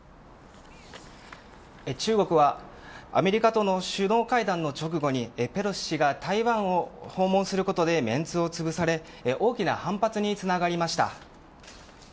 中国はアメリカとの首脳会談の直後にペロシ氏が台湾を訪問することでメンツをつぶされ大きな反発につながりました。